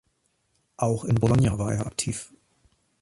Auch in Bologna war er aktiv.